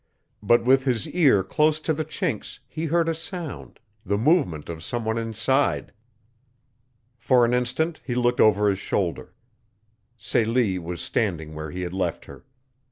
But with his ear close to the chinks he heard a sound the movement of some one inside. For an instant he looked over his shoulder. Celia was standing where he had left her.